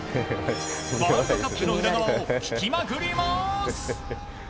ワールドカップの裏側を聞きまくります！